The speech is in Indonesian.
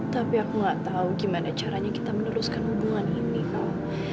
tapi aku nggak tahu gimana caranya kita meneruskan hubungan ini pak